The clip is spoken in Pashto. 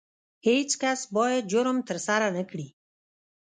هیڅ کس باید جرم ترسره نه کړي.